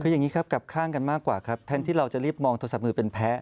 คืออย่างนี้ครับกลับข้างกันมากกว่าครับแทนที่เราจะรีบมองโทรศัพท์มือเป็นแพ้